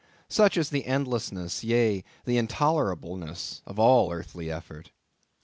Such is the endlessness, yea, the intolerableness of all earthly effort.